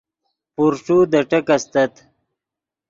پورݯو دے ٹیک استت